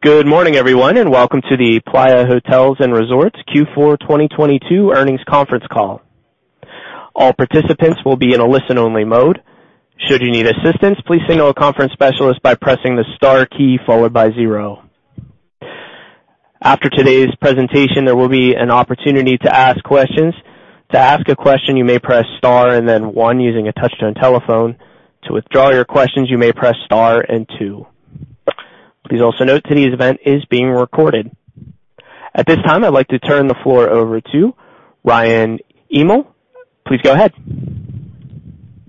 Good morning, everyone, welcome to the Playa Hotels & Resorts Q4 2022 earnings conference call. All participants will be in a listen-only mode. Should you need assistance, please signal a conference specialist by pressing the star key followed by zero. After today's presentation, there will be an opportunity to ask questions. To ask a question, you may press star and then one using a touch-tone telephone. To withdraw your questions, you may press star and two. Please also note today's event is being recorded. At this time, I'd like to turn the floor over to Ryan Hymel. Please go ahead.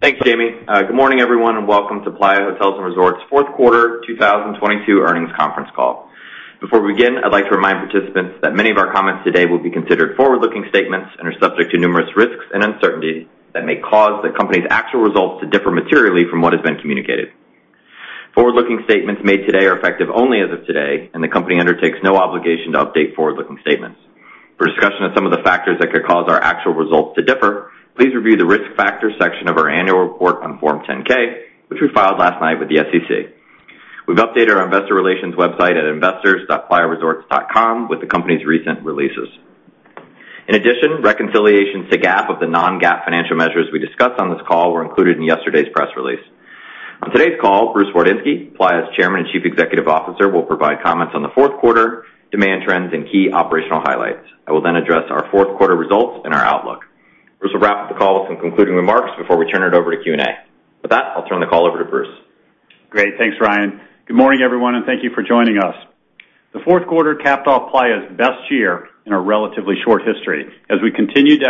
Thanks, Jamie. Good morning, everyone, and welcome to Playa Hotels & Resorts' Q4 2022 earnings conference call. Before we begin, I'd like to remind participants that many of our comments today will be considered forward-looking statements and are subject to numerous risks and uncertainties that may cause the company's actual results to differ materially from what has been communicated. Forward-looking statements made today are effective only as of today, and the company undertakes no obligation to update forward-looking statements. For discussion of some of the factors that could cause our actual results to differ, please review the Risk Factors section of our annual report on Form 10-K, which we filed last night with the SEC. We've updated our investor relations website at investors.playaresorts.com with the company's recent releases. In addition, reconciliations to GAAP of the non-GAAP financial measures we discuss on this call were included in yesterday's press release. On today's call, Bruce Wardinski, Playa's Chairman and Chief Executive Officer, will provide comments on the Q4, demand trends, and key operational highlights. I will then address our Q4 results and our outlook. Bruce will wrap up the call with some concluding remarks before we turn it over to Q&A. With that, I'll turn the call over to Bruce. Great. Thanks, Ryan. Good morning, everyone, and thank you for joining us. The Q4 capped off Playa's best year in our relatively short history as we continued to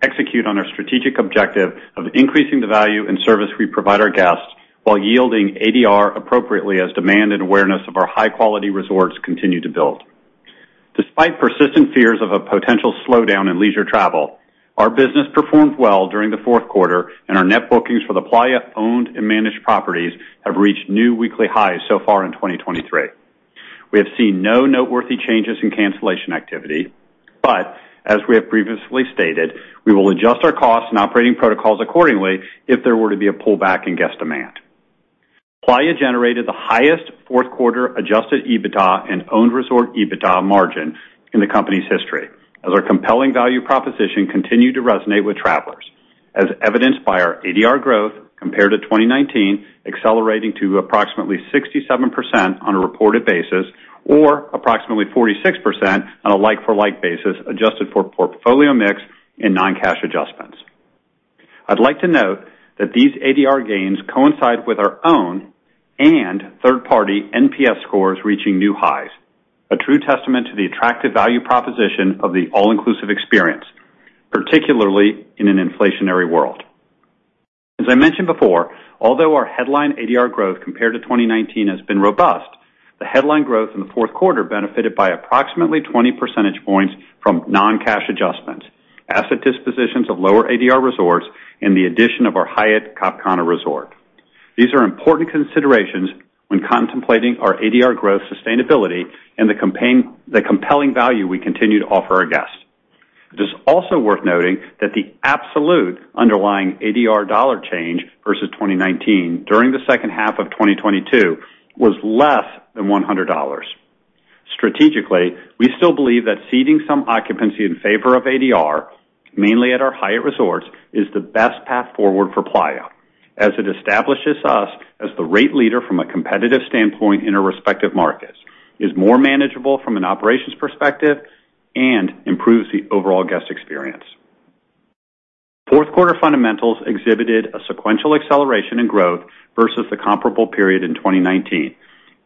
execute on our strategic objective of increasing the value and service we provide our guests while yielding ADR appropriately as demand and awareness of our high-quality resorts continue to build. Despite persistent fears of a potential slowdown in leisure travel, our business performed well during the Q4, and our net bookings for the Playa owned and managed properties have reached new weekly highs so far in 2023. We have seen no noteworthy changes in cancellation activity, but as we have previously stated, we will adjust our costs and operating protocols accordingly if there were to be a pullback in guest demand. Playa generated the highest Q4 adjusted EBITDA and owned resort EBITDA margin in the company's history as our compelling value proposition continued to resonate with travelers, as evidenced by our ADR growth compared to 2019 accelerating to approximately 67% on a reported basis, or approximately 46% on a like-for-like basis adjusted for portfolio mix and non-cash adjustments. I'd like to note that these ADR gains coincide with our own and third-party NPS scores reaching new highs, a true testament to the attractive value proposition of the all-inclusive experience, particularly in an inflationary world. As I mentioned before, although our headline ADR growth compared to 2019 has been robust, the headline growth in the Q4 benefited by approximately 20 percentage points from non-cash adjustments, asset dispositions of lower ADR resorts, and the addition of our Hyatt Cap Cana resort. These are important considerations when contemplating our ADR growth sustainability and the compelling value we continue to offer our guests. It is also worth noting that the absolute underlying ADR dollar change versus 2019 during the second half of 2022 was less than $100. Strategically, we still believe that ceding some occupancy in favor of ADR, mainly at our Hyatt resorts, is the best path forward for Playa as it establishes us as the rate leader from a competitive standpoint in our respective markets, is more manageable from an operations perspective, and improves the overall guest experience. Q4 fundamentals exhibited a sequential acceleration in growth versus the comparable period in 2019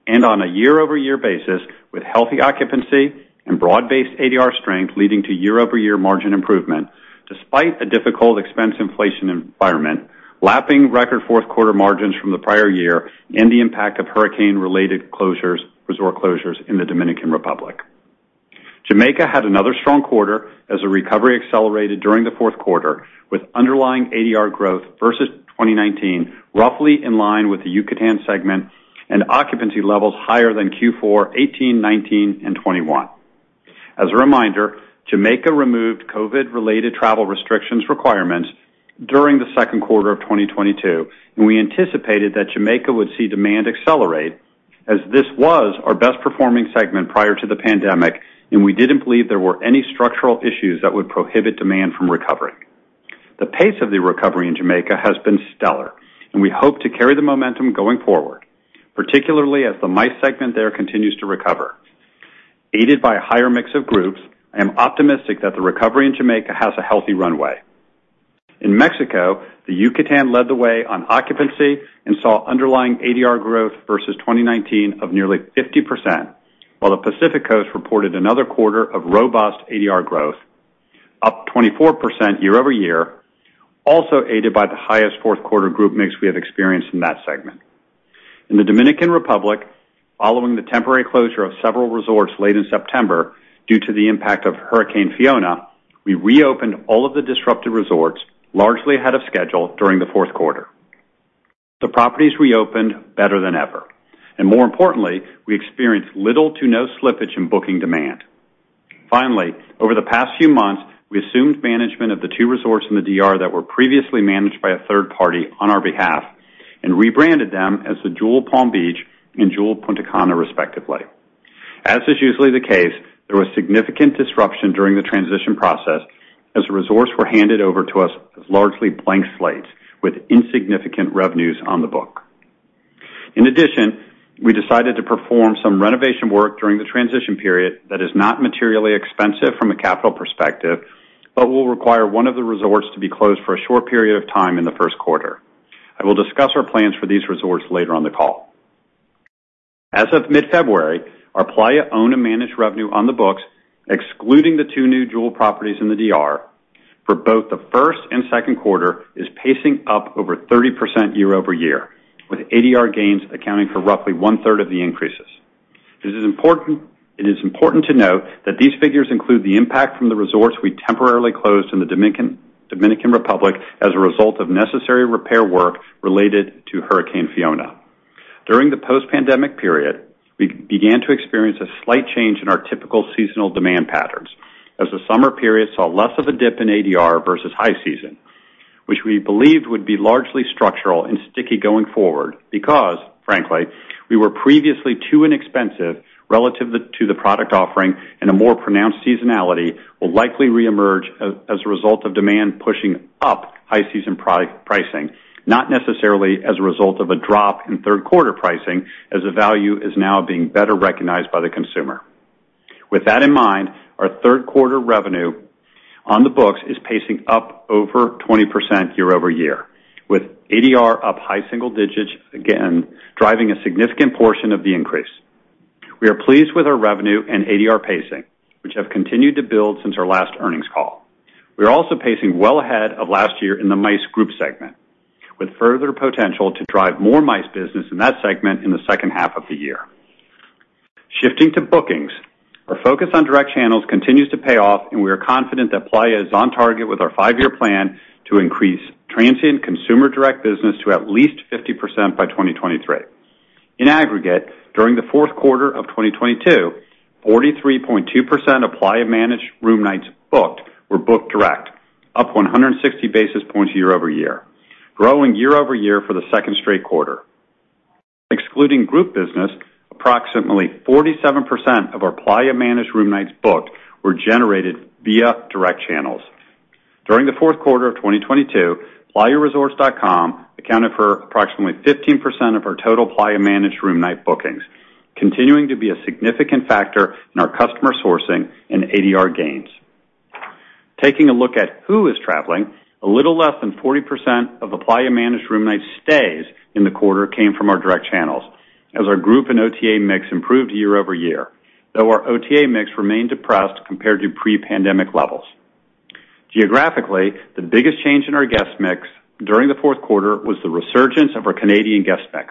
and on a year-over-year basis with healthy occupancy and broad-based ADR strength leading to year-over-year margin improvement despite a difficult expense inflation environment, lapping record Q4 margins from the prior year, and the impact of hurricane-related resort closures in the Dominican Republic. Jamaica had another strong quarter as the recovery accelerated during the Q4 with underlying ADR growth versus 2019 roughly in line with the Yucatan segment and occupancy levels higher than Q4 2018, 2019, and 2021. As a reminder, Jamaica removed COVID-related travel restrictions requirements during the Q2 of 2022, and we anticipated that Jamaica would see demand accelerate as this was our best-performing segment prior to the pandemic, and we didn't believe there were any structural issues that would prohibit demand from recovering. The pace of the recovery in Jamaica has been stellar, and we hope to carry the momentum going forward, particularly as the MICE segment there continues to recover. Aided by a higher mix of groups, I am optimistic that the recovery in Jamaica has a healthy runway. In Mexico, the Yucatan led the way on occupancy and saw underlying ADR growth versus 2019 of nearly 50%, while the Pacific Coast reported another quarter of robust ADR growth, up 24% year-over-year, also aided by the highest Q4 group mix we have experienced in that segment. In the Dominican Republic, following the temporary closure of several resorts late in September due to the impact of Hurricane Fiona, we reopened all of the disrupted resorts largely ahead of schedule during the Q4. The properties reopened better than ever. More importantly, we experienced little to no slippage in booking demand. Finally, over the past few months, we assumed management of the 2 resorts in the DR that were previously managed by a third party on our behalf and rebranded them as the Jewel Palm Beach and Jewel Punta Cana, respectively. As is usually the case, there was significant disruption during the transition process as the resorts were handed over to us as largely blank slates with insignificant revenues on the book. In addition, we decided to perform some renovation work during the transition period that is not materially expensive from a capital perspective, but will require one of the resorts to be closed for a short period of time in the Q1. I will discuss our plans for these resorts later on the call. As of mid-February, our Playa own and managed revenue on the books, excluding the two new Jewel properties in the DR for both the first and Q2, is pacing up over 30% year-over-year, with ADR gains accounting for roughly one-third of the increases. It is important to note that these figures include the impact from the resorts we temporarily closed in the Dominican Republic as a result of necessary repair work related to Hurricane Fiona. During the post-pandemic period, we began to experience a slight change in our typical seasonal demand patterns as the summer period saw less of a dip in ADR versus high season, which we believed would be largely structural and sticky going forward because, frankly, we were previously too inexpensive relative to the product offering, and a more pronounced seasonality will likely re-emerge as a result of demand pushing up high season product pricing, not necessarily as a result of a drop in Q3 pricing as the value is now being better recognized by the consumer. With that in mind, our Q3 revenue on the books is pacing up over 20% year-over-year, with ADR up high single digits again driving a significant portion of the increase. We are pleased with our revenue and ADR pacing, which have continued to build since our last earnings call. We are also pacing well ahead of last year in the MICE group segment, with further potential to drive more MICE business in that segment in the second half of the year. Shifting to bookings, our focus on direct channels continues to pay off, and we are confident that Playa is on target with our 5-year plan to increase transient consumer direct business to at least 50% by 2023. In aggregate, during the Q4 of 2022, 43.2% of Playa-managed room nights booked were booked direct, up 160 basis points year-over-year, growing year-over-year for the second straight quarter. Excluding group business, approximately 47% of our Playa-managed room nights booked were generated via direct channels. During the Q4 of 2022, playaresorts.com accounted for approximately 15% of our total Playa-managed room night bookings, continuing to be a significant factor in our customer sourcing and ADR gains. Taking a look at who is traveling, a little less than 40% of the Playa-managed room night stays in the quarter came from our direct channels as our group and OTA mix improved year-over-year, though our OTA mix remained depressed compared to pre-pandemic levels. Geographically, the biggest change in our guest mix during the Q4 was the resurgence of our Canadian guest mix,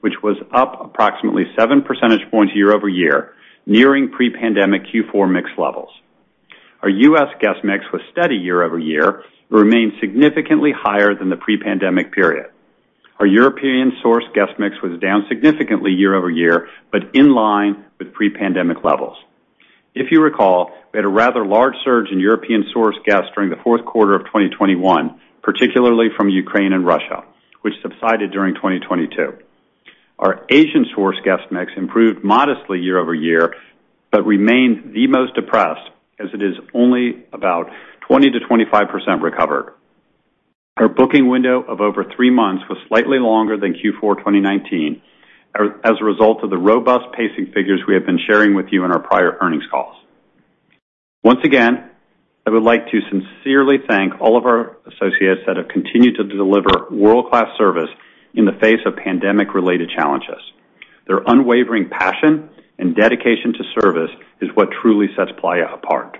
which was up approximately 7 percentage points year-over-year, nearing pre-pandemic Q4 mix levels. Our U.S. guest mix was steady year-over-year, but remained significantly higher than the pre-pandemic period. Our European source guest mix was down significantly year-over-year, but in line with pre-pandemic levels. If you recall, we had a rather large surge in European source guests during the Q4 of 2021, particularly from Ukraine and Russia, which subsided during 2022. Our Asian source guest mix improved modestly year-over-year, but remained the most depressed as it is only about 20%-25% recovered. Our booking window of over 3 months was slightly longer than Q4 2019 as a result of the robust pacing figures we have been sharing with you in our prior earnings calls. Once again, I would like to sincerely thank all of our associates that have continued to deliver world-class service in the face of pandemic-related challenges. Their unwavering passion and dedication to service is what truly sets Playa apart.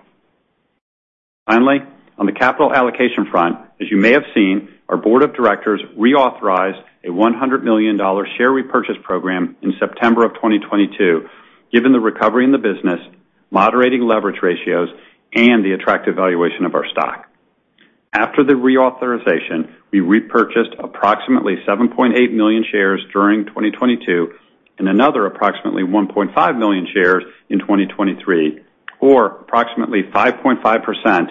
Finally, on the capital allocation front, as you may have seen, our board of directors reauthorized a $100 million share repurchase program in September of 2022, given the recovery in the business, moderating leverage ratios, and the attractive valuation of our stock. After the reauthorization, we repurchased approximately 7.8 million shares during 2022 and another approximately 1.5 million shares in 2023, or approximately 5.5%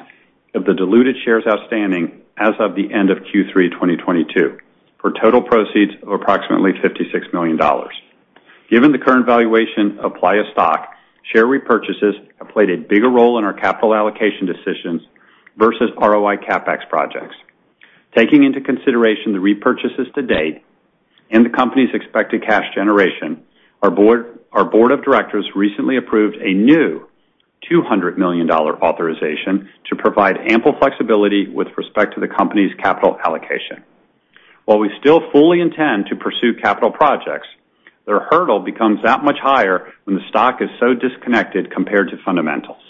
of the diluted shares outstanding as of the end of Q3 2022, for total proceeds of approximately $56 million. Given the current valuation of Playa stock, share repurchases have played a bigger role in our capital allocation decisions versus ROI CapEx projects. Taking into consideration the repurchases to date and the company's expected cash generation, our board of directors recently approved a new $200 million authorization to provide ample flexibility with respect to the company's capital allocation. While we still fully intend to pursue capital projects, their hurdle becomes that much higher when the stock is so disconnected compared to fundamentals.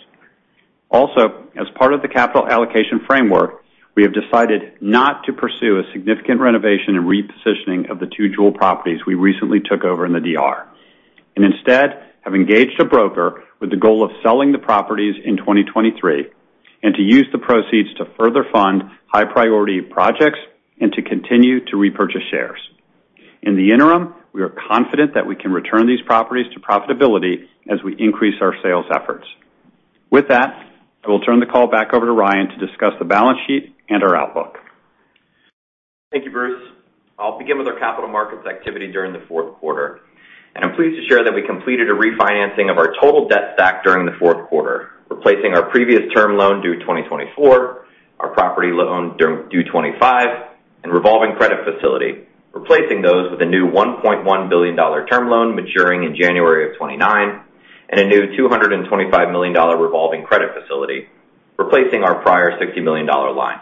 Also, as part of the capital allocation framework, we have decided not to pursue a significant renovation and repositioning of the two Jewel properties we recently took over in the DR, and instead have engaged a broker with the goal of selling the properties in 2023 and to use the proceeds to further fund high-priority projects and to continue to repurchase shares. In the interim, we are confident that we can return these properties to profitability as we increase our sales efforts. With that, I will turn the call back over to Ryan to discuss the balance sheet and our outlook. Thank you, Bruce. I'll begin with our capital markets activity during the Q4. I'm pleased to share that we completed a refinancing of our total debt stack during the Q4, replacing our previous term loan due 2024, our property loan term due 25, and revolving credit facility, replacing those with a new $1.1 billion term loan maturing in January of 2029, and a new $225 million revolving credit facility, replacing our prior $60 million line.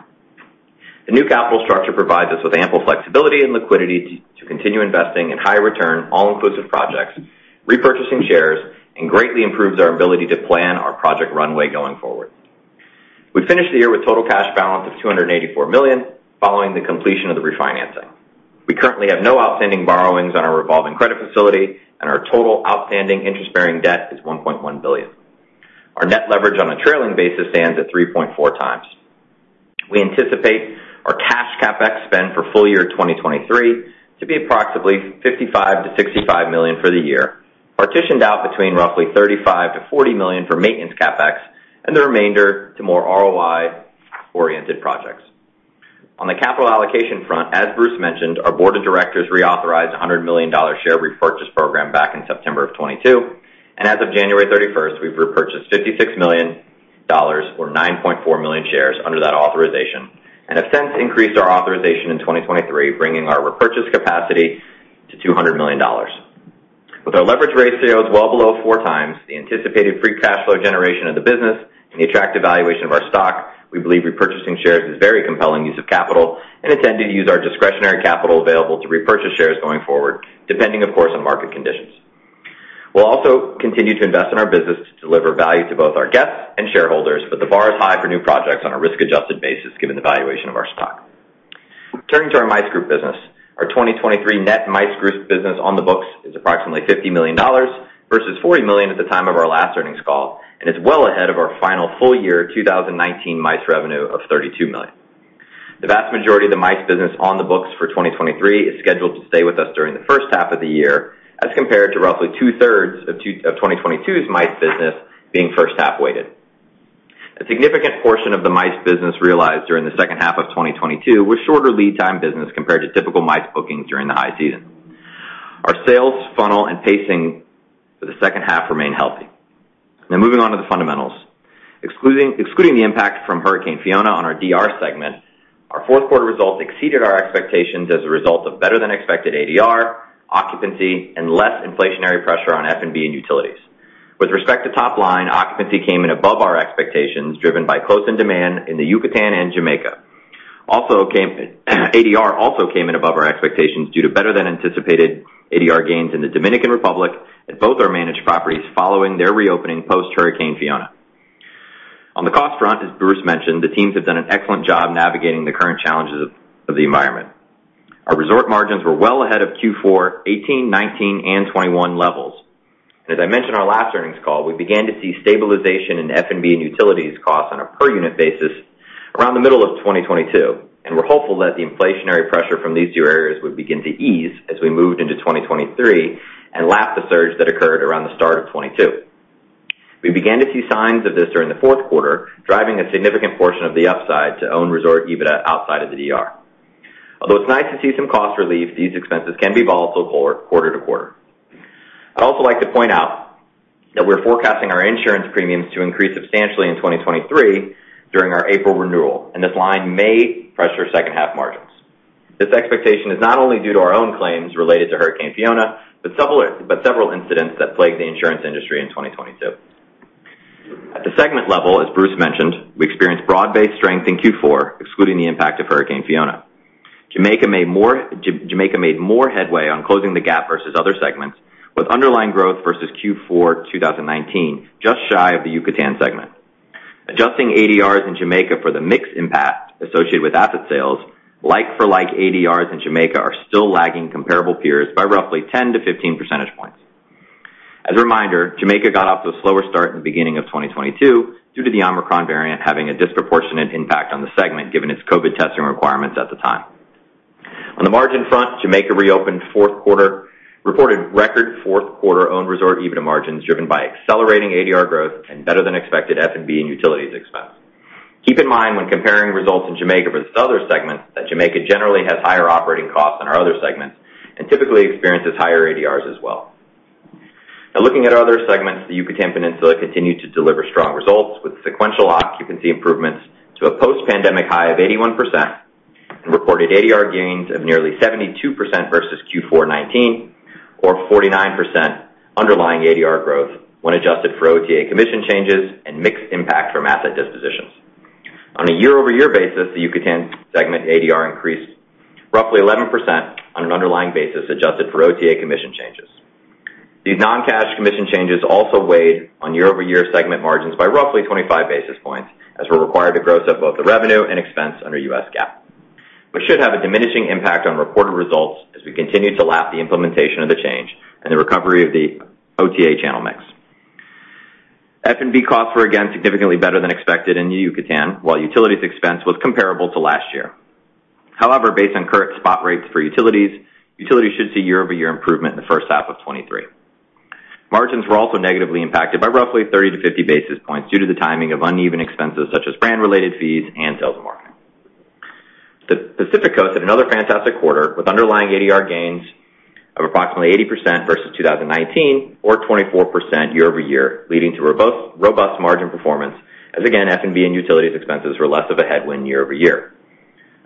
The new capital structure provides us with ample flexibility and liquidity to continue investing in high return all-inclusive projects, repurchasing shares, and greatly improves our ability to plan our project runway going forward. We finished the year with total cash balance of $284 million following the completion of the refinancing. We currently have no outstanding borrowings on our revolving credit facility, and our total outstanding interest-bearing debt is $1.1 billion. Our net leverage on a trailing basis stands at 3.4 times. We anticipate our cash CapEx spend for full year 2023 to be approximately $55 million-$65 million for the year, partitioned out between roughly $35 million-$40 million for maintenance CapEx and the remainder to more ROI-oriented projects. On the capital allocation front, as Bruce mentioned, our board of directors reauthorized a $100 million share repurchase program back in September of 2022. As of January 31st, we've repurchased $56 million or 9.4 million shares under that authorization and have since increased our authorization in 2023, bringing our repurchase capacity to $200 million. With our leverage ratios well below 4 times the anticipated free cash flow generation of the business and the attractive valuation of our stock, we believe repurchasing shares is very compelling use of capital and intend to use our discretionary capital available to repurchase shares going forward, depending, of course, on market conditions. We'll also continue to invest in our business to deliver value to both our guests and shareholders, but the bar is high for new projects on a risk-adjusted basis given the valuation of our stock. Turning to our MICE group business. Our 2023 net MICE group business on the books is approximately $50 million versus $40 million at the time of our last earnings call, and is well ahead of our final full year 2019 MICE revenue of $32 million. The vast majority of the MICE business on the books for 2023 is scheduled to stay with us during the first half of the year as compared to roughly two-thirds of 2022's MICE business being first half weighted. A significant portion of the MICE business realized during the second half of 2022 were shorter lead time business compared to typical MICE bookings during the high season. Our sales funnel and pacing for the second half remain healthy. Moving on to the fundamentals. Excluding the impact from Hurricane Fiona on our DR segment, our Q4 results exceeded our expectations as a result of better than expected ADR, occupancy, and less inflationary pressure on F&B and utilities. With respect to top line, occupancy came in above our expectations, driven by close-in demand in the Yucatan and Jamaica. ADR also came in above our expectations due to better than anticipated ADR gains in the Dominican Republic at both our managed properties following their reopening post-Hurricane Fiona. On the cost front, as Bruce mentioned, the teams have done an excellent job navigating the current challenges of the environment. Our resort margins were well ahead of Q4 2018, 2019, and 2021 levels. As I mentioned in our last earnings call, we began to see stabilization in F&B and utilities costs on a per unit basis around the middle of 2022, and we're hopeful that the inflationary pressure from these two areas would begin to ease as we moved into 2023 and lap the surge that occurred around the start of 2022. We began to see signs of this during the Q4, driving a significant portion of the upside to own resort EBITDA outside of the DR. Although it's nice to see some cost relief, these expenses can be volatile for quarter to quarter. I'd also like to point out that we're forecasting our insurance premiums to increase substantially in 2023 during our April renewal, and this line may pressure second half margins. This expectation is not only due to our own claims related to Hurricane Fiona, but several incidents that plagued the insurance industry in 2022. At the segment level, as Bruce mentioned, we experienced broad-based strength in Q4, excluding the impact of Hurricane Fiona. Jamaica made more headway on closing the gap versus other segments with underlying growth versus Q4 2019, just shy of the Yucatan segment. Adjusting ADRs in Jamaica for the mix impact associated with asset sales, like-for-like ADRs in Jamaica are still lagging comparable peers by roughly 10-15 percentage points. As a reminder, Jamaica got off to a slower start in the beginning of 2022 due to the Omicron variant having a disproportionate impact on the segment given its COVID testing requirements at the time. On the margin front, Jamaica reported record Q4 own resort EBITDA margins driven by accelerating ADR growth and better than expected F&B and utilities expense. Keep in mind when comparing results in Jamaica versus other segments, that Jamaica generally has higher operating costs than our other segments and typically experiences higher ADRs as well. Looking at other segments, the Yucatan Peninsula continued to deliver strong results with sequential occupancy improvements to a post-pandemic high of 81% and reported ADR gains of nearly 72% versus Q4 2019 or 49% underlying ADR growth when adjusted for OTA commission changes and mixed impact from asset dispositions. On a year-over-year basis, the Yucatan segment ADR increased roughly 11% on an underlying basis adjusted for OTA commission changes. These non-cash commission changes also weighed on year-over-year segment margins by roughly 25 basis points, as we're required to gross up both the revenue and expense under US GAAP, which should have a diminishing impact on reported results as we continue to lap the implementation of the change and the recovery of the OTA channel mix. F&B costs were again significantly better than expected in Yucatan, while utilities expense was comparable to last year. Based on current spot rates for utilities should see year-over-year improvement in the first half of 2023. Margins were also negatively impacted by roughly 30-50 basis points due to the timing of uneven expenses such as brand-related fees and sales and marketing. The Pacific Coast had another fantastic quarter, with underlying ADR gains of approximately 80% versus 2019 or 24% year-over-year, leading to robust margin performance as again, F&B and utilities expenses were less of a headwind year-over-year.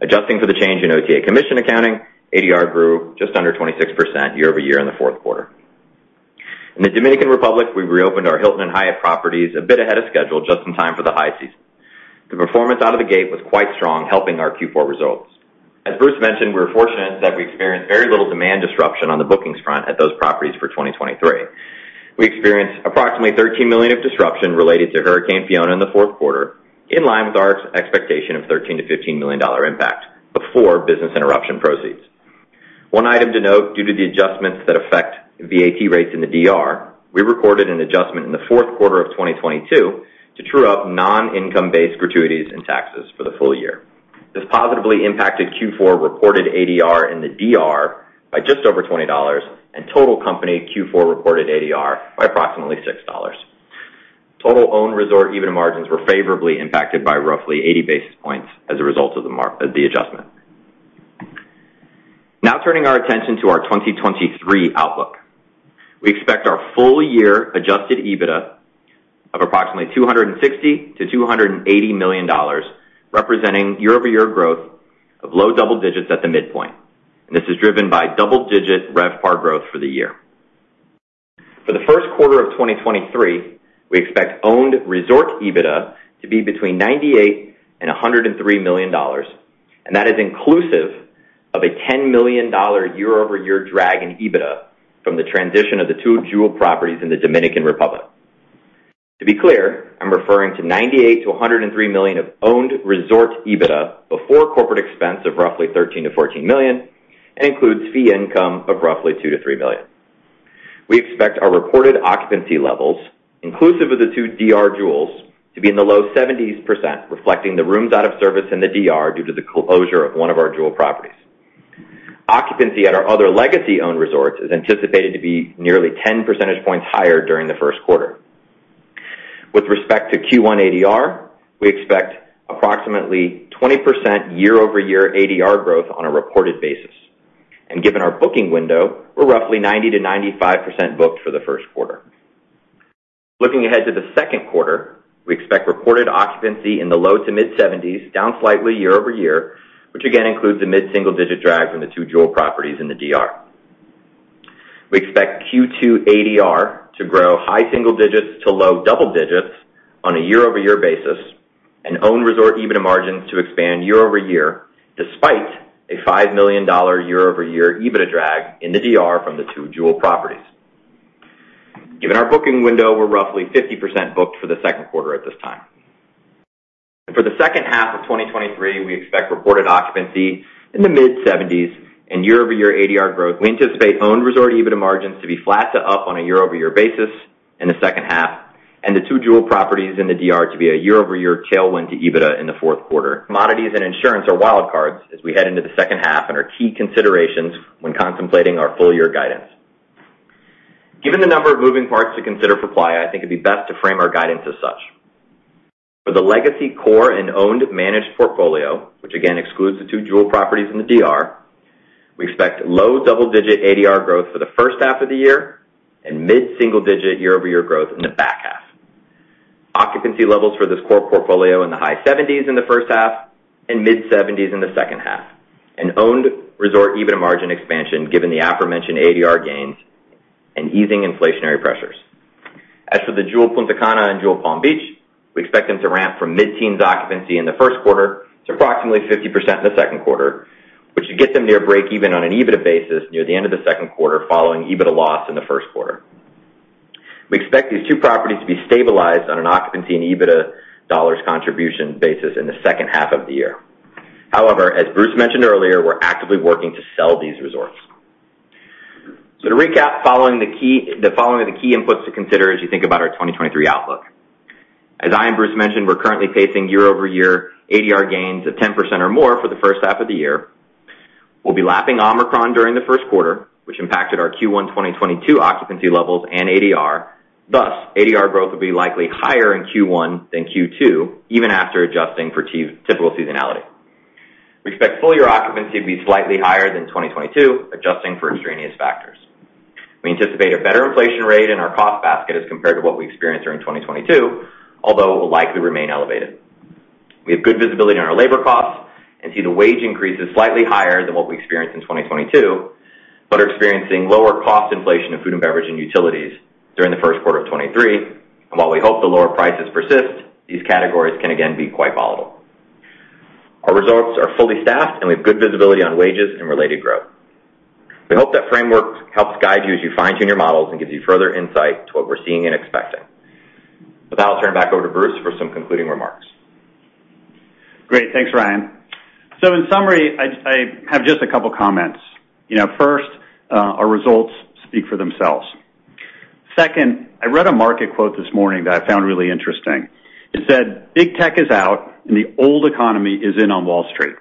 Adjusting for the change in OTA commission accounting, ADR grew just under 26% year-over-year in the Q4. In the Dominican Republic, we reopened our Hilton and Hyatt properties a bit ahead of schedule just in time for the high season. The performance out of the gate was quite strong, helping our Q4 results. As Bruce Wardinski mentioned, we're fortunate in that we experienced very little demand disruption on the bookings front at those properties for 2023. We experienced approximately $13 million of disruption related to Hurricane Fiona in the Q4, in line with our expectation of $13 million-$15 million impact before business interruption proceeds. One item to note, due to the adjustments that affect VAT rates in the DR, we recorded an adjustment in the Q4 of 2022 to true up non-income-based gratuities and taxes for the full year. This positively impacted Q4 reported ADR in the DR by just over $20 and total company Q4 reported ADR by approximately $6. Total owned resort EBITDA margins were favorably impacted by roughly 80 basis points as a result of the adjustment. Turning our attention to our 2023 outlook. We expect our full year adjusted EBITDA of approximately $260 million-$280 million, representing year-over-year growth of low double digits at the midpoint. This is driven by double-digit RevPAR growth for the year. For the Q1 of 2023, we expect owned resort EBITDA to be between $98 million and $103 million. That is inclusive of a $10 million year-over-year drag in EBITDA from the transition of the two Jewel properties in the Dominican Republic. To be clear, I'm referring to $98 million-$103 million of owned resort EBITDA before corporate expense of roughly $13 million-$14 million and includes fee income of roughly $2 million-$3 million. We expect our reported occupancy levels, inclusive of the 2 DR Jewels, to be in the low 70%, reflecting the rooms out of service in the DR due to the closure of one of our Jewel properties. Occupancy at our other legacy owned resorts is anticipated to be nearly 10 percentage points higher during the Q1. With respect to Q1 ADR, we expect approximately 20% year-over-year ADR growth on a reported basis. Given our booking window, we're roughly 90%-95% booked for the Q1. Looking ahead to the Q2, we expect reported occupancy in the low to mid-70s, down slightly year-over-year, which again includes a mid-single digit drag from the 2 Jewel properties in the DR. We expect Q2 ADR to grow high single digits to low double digits on a year-over-year basis and owned resort EBITDA margins to expand year-over-year despite a $5 million year-over-year EBITDA drag in the DR from the two Jewel properties. Given our booking window, we're roughly 50% booked for the Q2 at this time. For the second half of 2023, we expect reported occupancy in the mid-70s and year-over-year ADR growth. We anticipate owned resort EBITDA margins to be flat to up on a year-over-year basis in the second half and the two Jewel properties in the DR to be a year-over-year tailwind to EBITDA in the Q4. Commodities and insurance are wild cards as we head into the second half and are key considerations when contemplating our full year guidance. Given the number of moving parts to consider for Playa, I think it'd be best to frame our guidance as such. For the legacy core and owned managed portfolio, which again excludes the two Jewel properties in the DR, we expect low double-digit ADR growth for the first half of the year and mid-single digit year-over-year growth in the back half. Occupancy levels for this core portfolio in the high 70s in the first half and mid-70s in the second half. Owned resort EBITDA margin expansion, given the aforementioned ADR gains and easing inflationary pressures. For the Jewel Punta Cana and Jewel Palm Beach, we expect them to ramp from mid-teens occupancy in the Q1 to approximately 50% in the Q2, which should get them near break even on an EBITDA basis near the end of the Q2, following EBITDA loss in the Q1. We expect these two properties to be stabilized on an occupancy and EBITDA dollars contribution basis in the second half of the year. As Bruce mentioned earlier, we're actively working to sell these resorts. To recap, following are the key inputs to consider as you think about our 2023 outlook. As I and Bruce mentioned, we're currently pacing year-over-year ADR gains of 10% or more for the first half of the year. We'll be lapping Omicron during the Q1, which impacted our Q1 2022 occupancy levels and ADR. ADR growth will be likely higher in Q1 than Q2, even after adjusting for typical seasonality. We expect full year occupancy to be slightly higher than 2022, adjusting for extraneous factors. We anticipate a better inflation rate in our cost basket as compared to what we experienced during 2022, although it will likely remain elevated. We have good visibility on our labor costs and see the wage increases slightly higher than what we experienced in 2022, but are experiencing lower cost inflation in food and beverage and utilities during the Q1 of 2023. While we hope the lower prices persist, these categories can again be quite volatile. Our resorts are fully staffed, and we have good visibility on wages and related growth. We hope that framework helps guide you as you fine-tune your models and gives you further insight to what we're seeing and expecting. With that, I'll turn it back over to Bruce for some concluding remarks. Great. Thanks, Ryan. In summary, I have just a couple comments. You know, first, our results speak for themselves. Second, I read a market quote this morning that I found really interesting. It said, "Big tech is out and the old economy is in on Wall Street."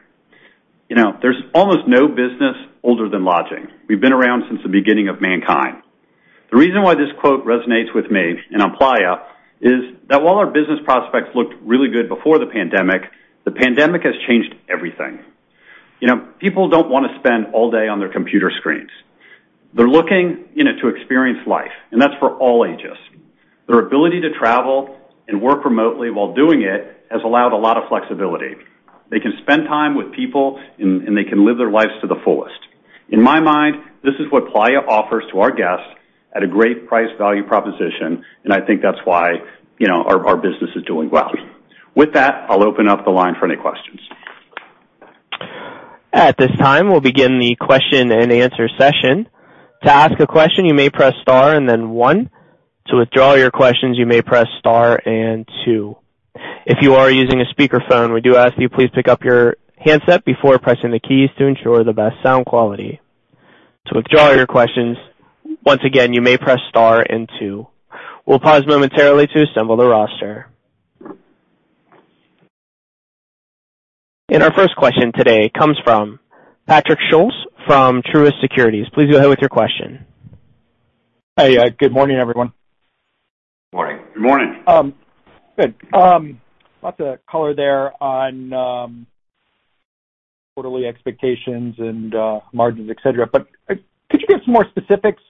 You know, there's almost no business older than lodging. We've been around since the beginning of mankind. The reason why this quote resonates with me and on Playa is that while our business prospects looked really good before the pandemic, the pandemic has changed everything. You know, people don't wanna spend all day on their computer screens. They're looking, you know, to experience life. That's for all ages. Their ability to travel and work remotely while doing it has allowed a lot of flexibility. They can spend time with people and they can live their lives to the fullest. In my mind, this is what Playa offers to our guests at a great price value proposition. I think that's why, you know, our business is doing well. With that, I'll open up the line for any questions. At this time, we'll begin the question and answer session. To ask a question, you may press Star and then 1. To withdraw your questions, you may press Star and 2. If you are using a speakerphone, we do ask you please pick up your handset before pressing the keys to ensure the best sound quality. To withdraw your questions, once again, you may press Star and 2. We'll pause momentarily to assemble the roster. Our first question today comes from Patrick Scholes from Truist Securities. Please go ahead with your question. Hey. Good morning, everyone. Morning. Good morning. good. lots of color there on quarterly expectations and margins, et cetera. Could you give some more specifics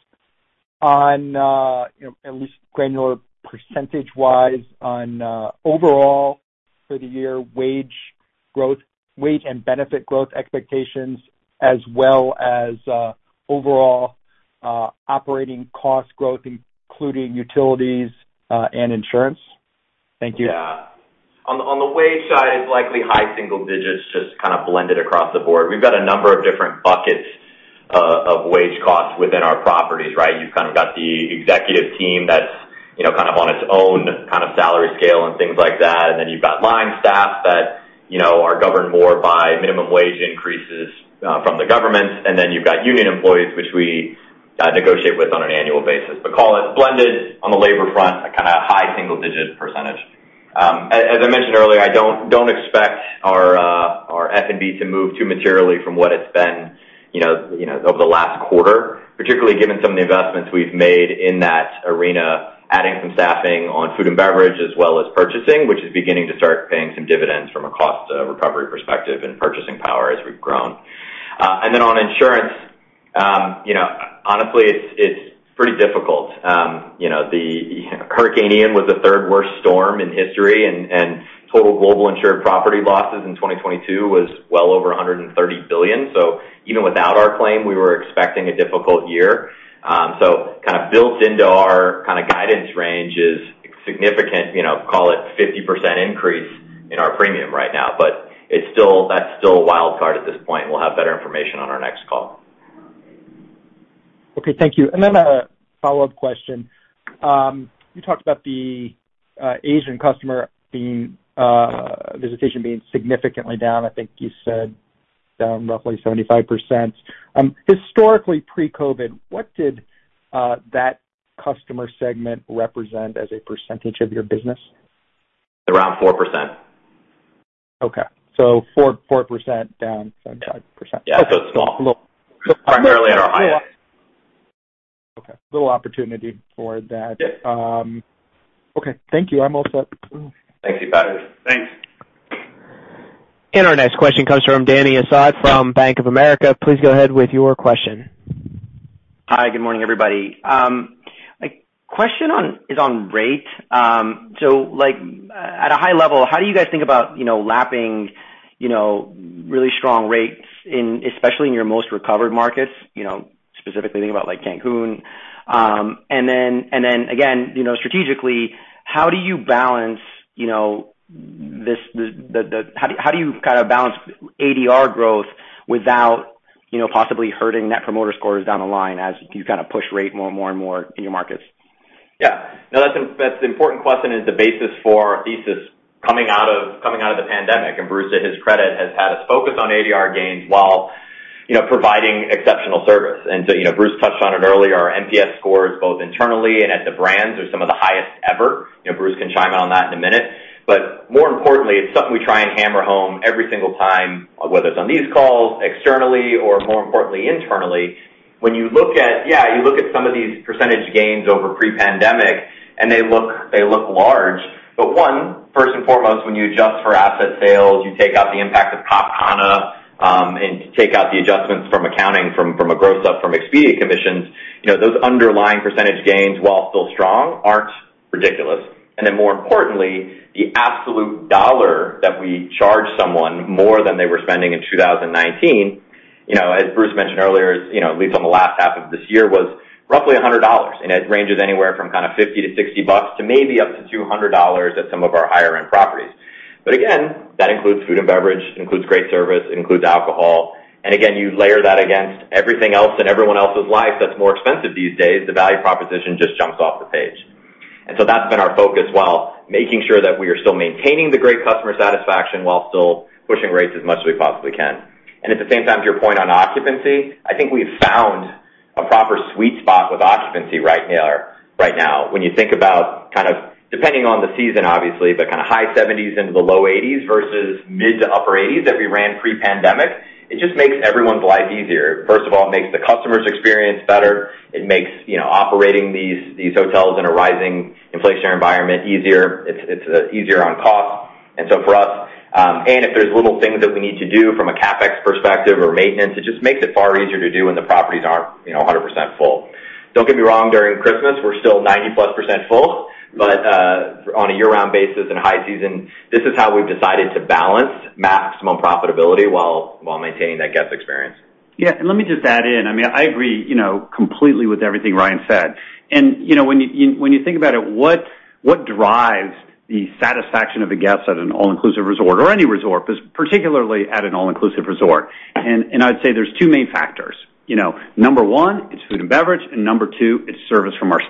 on, you know, at least granular percentage-wise on overall for the year wage and benefit growth expectations as well as overall operating cost growth, including utilities and insurance? Thank you. Yeah. On the wage side, it's likely high single-digit % just kind of blended across the board. We've got a number of different buckets of wage costs within our properties, right? You've kind of got the executive team that's, you know, kind of on its own kind of salary scale and things like that. Then you've got line staff that, you know, are governed more by minimum wage increases from the government. Then you've got union employees, which we negotiate with on an annual basis. Call it blended on the labor front, a kinda high single-digit %. as I mentioned earlier, I don't expect our F&B to move too materially from what it's been, you know, over the last quarter, particularly given some of the investments we've made in that arena, adding some staffing on food and beverage as well as purchasing, which is beginning to start paying some dividends from a cost recovery perspective and purchasing power as we've grown. On insurance, you know, honestly, it's pretty difficult. you know, the Hurricane Ian was the third worst storm in history, and total global insured property losses in 2022 was well over $130 billion. Even without our claim, we were expecting a difficult year. Kind of built into our kind of guidance range is significant, you know, call it 50% increase in our premium right now. But that's still a wildcard at this point. We'll have better information on our next call. Okay. Thank you. A follow-up question. You talked about the Asian customer being visitation being significantly down. I think you said down roughly 75%. Historically pre-COVID, what did that customer segment represent as a percentage of your business? Around 4%. 4% down 75%. Yeah. It's small. Okay. Little opportunity for that. Yeah. Okay. Thank you. I'm all set. Thank you, Patrick. Thanks. Our next question comes from Dany Asad from Bank of America. Please go ahead with your question. Hi. Good morning, everybody. My question is on rate. Like, at a high level, how do you guys think about, you know, lapping, you know, really strong rates in, especially in your most recovered markets? You know, specifically think about, like, Cancun. Again, you know, strategically, how do you balance, you know, this, the... How do you kinda balance ADR growth without, you know, possibly hurting net promoter scores down the line as you kinda push rate more and more and more in your markets? Yeah. No, that's an important question is the basis for our thesis coming out of the pandemic. Bruce Wardinski, to his credit, has had us focus on ADR gains while, you know, providing exceptional service. You know, Bruce touched on it earlier. Our NPS scores both internally and at the brands are some of the highest ever. You know, Bruce can chime on that in a minute. More importantly, it's something we try and hammer home every single time, whether it's on these calls externally or more importantly internally. When you look at, yeah, you look at some of these percentage gains over pre-pandemic, and they look large. One, first and foremost, when you adjust for asset sales, you take out the impact of Cap Cana and take out the adjustments from accounting from a gross up from Expedia commissions, you know, those underlying percentage gains, while still strong, aren't ridiculous. Then more importantly, the absolute dollar that we charge someone more than they were spending in 2019, you know, as Bruce mentioned earlier, you know, at least on the last half of this year, was roughly $100. It ranges anywhere from kinda $50-$60 to maybe up to $200 at some of our higher end properties. Again, that includes food and beverage, includes great service, includes alcohol. Again, you layer that against everything else in everyone else's life that's more expensive these days, the value proposition just jumps off the page. That's been our focus while making sure that we are still maintaining the great customer satisfaction while still pushing rates as much as we possibly can. At the same time, to your point on occupancy, I think we've found a proper sweet spot with occupancy right now. When you think about kind of depending on the season, obviously, but kind of high 70s into the low 80s versus mid to upper 80s that we ran pre-pandemic, it just makes everyone's life easier. First of all, it makes the customer's experience better. It makes, you know, operating these hotels in a rising inflationary environment easier. It's easier on cost. For us, and if there's little things that we need to do from a CapEx perspective or maintenance, it just makes it far easier to do when the properties aren't, you know, 100% full. Don't get me wrong, during Christmas, we're still 90%-plus full. On a year-round basis in high season, this is how we've decided to balance maximum profitability while maintaining that guest experience. Let me just add in. I mean, I agree, you know, completely with everything Ryan said. You know, when you think about it, what drives the satisfaction of a guest at an all-inclusive resort or any resort, but particularly at an all-inclusive resort? I'd say there's two main factors. You know, number one, it's food and beverage, and number two, it's service from our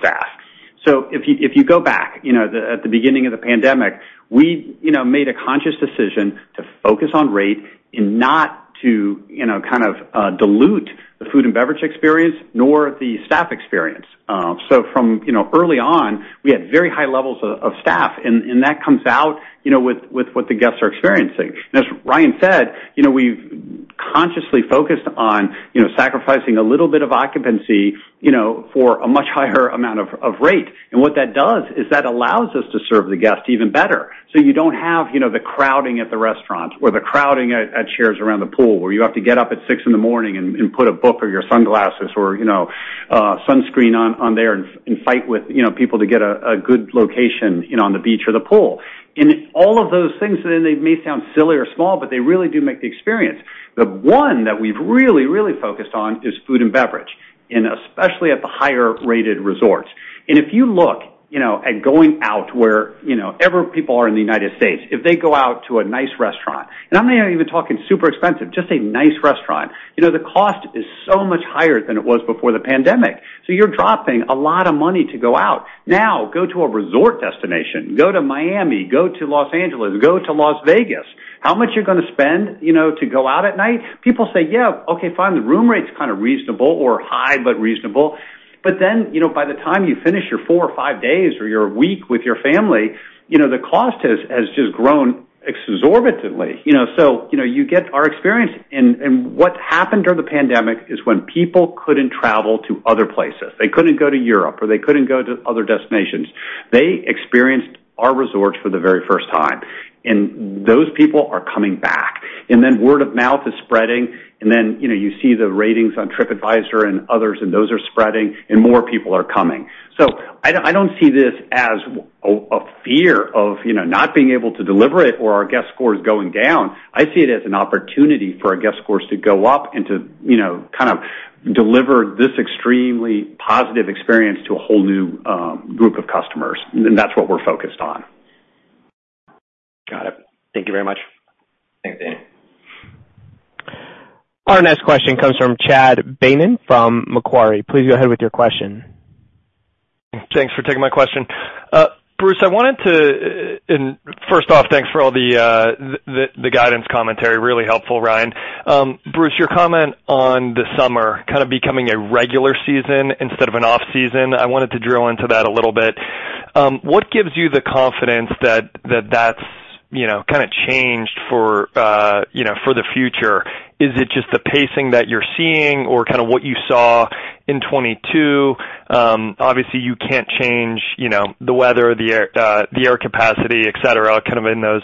staff. If you go back, you know, the, at the beginning of the pandemic, we, you know, made a conscious decision to focus on rate and not to, you know, kind of dilute the food and beverage experience nor the staff experience. From, you know, early on, we had very high levels of staff, and that comes out, you know, with what the guests are experiencing. As Ryan said, you know, we've consciously focused on, you know, sacrificing a little bit of occupancy, you know, for a much higher amount of rate. What that does is that allows us to serve the guest even better. You don't have, you know, the crowding at the restaurants or the crowding at chairs around the pool where you have to get up at 6 in the morning and put a book or your sunglasses or, you know, sunscreen on there and fight with, you know, people to get a good location, you know, on the beach or the pool. All of those things, and they may sound silly or small, but they really do make the experience. The one that we've really, really focused on is food and beverage, and especially at the higher rated resorts. If you look, you know, at going out where, you know, ever people are in the United States, if they go out to a nice restaurant, and I'm not even talking super expensive, just a nice restaurant, you know, the cost is so much higher than it was before the pandemic. You're dropping a lot of money to go out. Now, go to a resort destination, go to Miami, go to Los Angeles, go to Las Vegas. How much you're gonna spend, you know, to go out at night? People say, "Yeah, okay, fine, the room rate's kind of reasonable or high, but reasonable." By the time you finish your four or five days or your week with your family, you know, the cost has just grown exorbitantly. You know, you get our experience. What happened during the pandemic is when people couldn't travel to other places. They couldn't go to Europe or they couldn't go to other destinations. They experienced our resorts for the very first time, and those people are coming back. Word of mouth is spreading. You know, you see the ratings on TripAdvisor and others, and those are spreading, and more people are coming. I don't, I don't see this as a fear of, you know, not being able to deliver it or our guest scores going down. I see it as an opportunity for our guest scores to go up and to, you know, kind of deliver this extremely positive experience to a whole new group of customers. That's what we're focused on. Got it. Thank you very much. Thanks, Danny. Our next question comes from Chad Beynon from Macquarie. Please go ahead with your question. Thanks for taking my question. Bruce, I wanted to. First off, thanks for all the guidance commentary. Really helpful, Ryan. Bruce, your comment on the summer kind of becoming a regular season instead of an off-season, I wanted to drill into that a little bit. What gives you the confidence that that that's, you know, kinda changed for, you know, for the future? Is it just the pacing that you're seeing or kinda what you saw in 2022? Obviously, you can't change, you know, the weather, the air, the air capacity, et cetera, kind of in those